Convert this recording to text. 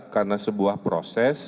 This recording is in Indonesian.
karena sebuah perusahaan